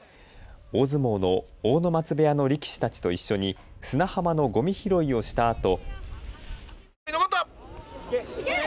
大相撲の阿武松部屋の力士たちと一緒に砂浜のごみ拾いをしたあと。